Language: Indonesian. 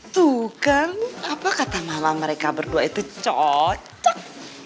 tuh kan apa kata mama mereka berdua itu cocok